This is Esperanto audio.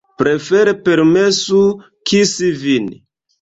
Prefere permesu kisi vin.